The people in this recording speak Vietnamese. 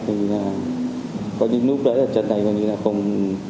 thì là có những lúc đã là trật này mà thì là không